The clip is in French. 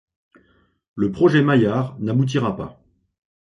Le projet Maillard n'aboutira pas.